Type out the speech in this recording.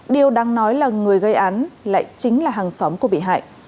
điều đáng nói là người gây án lại chính là hàng xóm của bị hại